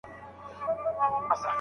که شرط پوره سي، د طلاق حکم څه دی؟